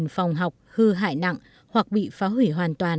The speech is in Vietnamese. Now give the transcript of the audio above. hai mươi bốn phòng học hư hại nặng hoặc bị phá hủy hoàn toàn